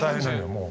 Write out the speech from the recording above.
もう。